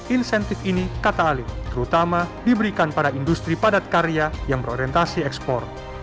insentif ini kata alim terutama diberikan pada industri padat karya yang berorientasi ekspor